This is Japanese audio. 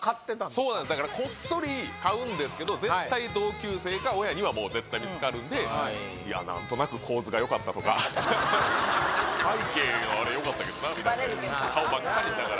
そうなんです、こっそり買うんですけど、絶対同級生か親には絶対見つかるんで、いや、なんとなく構図がよかったとか、背景があれ、よかったけどなみたいな、顔真っ赤にしながら。